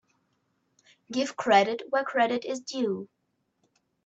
Give credit where credit is due.